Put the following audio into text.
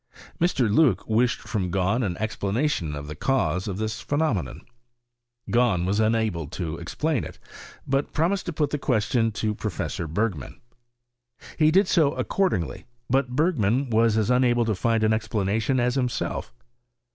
Mr. Loock wished &OID Gahn an explanation of the cause of this phe nomenon : Galin was unable to explain it ; but pro mised to put tiie question to Professor Bei^;rwn. He did so accordingly, but Bergman was as unable to find an explanation as himself.